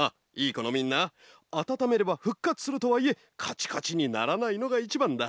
このみんなあたためればふっかつするとはいえカチカチにならないのがいちばんだ。